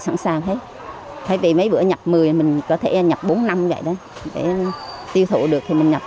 sẵn sàng hết thay vì mấy bữa nhập một mươi mình có thể nhập bốn năm vậy đó để tiêu thụ được thì mình nhập